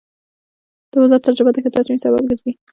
د بازار تجربه د ښه تصمیم سبب ګرځي.